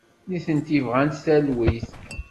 Nitenti bɣant talwit.